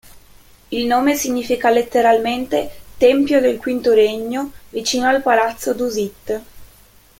Il nome significa letteralmente "tempio del quinto regno vicino al Palazzo Dusit".